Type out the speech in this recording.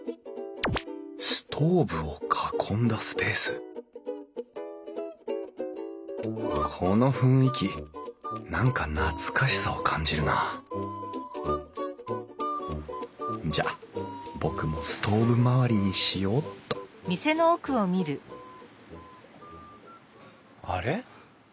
ストーブを囲んだスペースこの雰囲気何か懐かしさを感じるなじゃあ僕もストーブ周りにしようっとあれ？